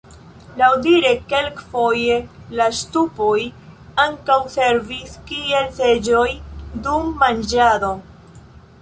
Laŭdire kelkfoje la ŝtupoj ankaŭ servis kiel seĝoj dum manĝado.